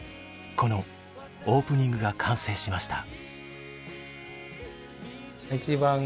このオープニングが完成しました。